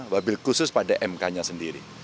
wabil khusus pada mk nya sendiri